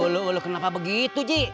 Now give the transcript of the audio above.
lo kenapa begitu ji